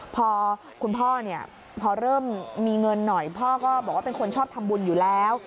พอเริ่มมีเงินหน่อยพ่อก็บอกว่าเป็นคนชอบทำบุญอยู่แล้ว